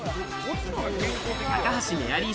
高橋メアリー